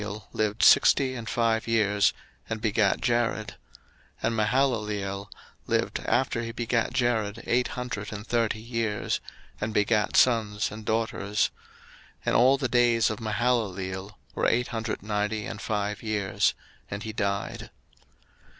01:005:015 And Mahalaleel lived sixty and five years, and begat Jared: 01:005:016 And Mahalaleel lived after he begat Jared eight hundred and thirty years, and begat sons and daughters: 01:005:017 And all the days of Mahalaleel were eight hundred ninety and five years: and he died.